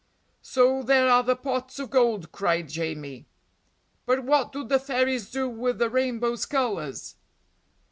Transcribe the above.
"So there are the pots of gold," cried Jamie. "But what do the fairies do with the rainbow's colours?"